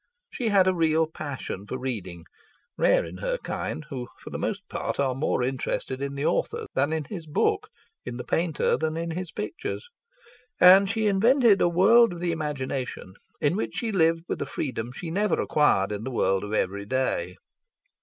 She had a real passion for reading (rare in her kind, who for the most part are more interested in the author than in his book, in the painter than in his pictures), and she invented a world of the imagination in which she lived with a freedom she never acquired in the world of every day.